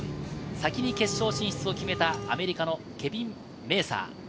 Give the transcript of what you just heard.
先に決勝進出を決めたアメリカのケビン・メーサー。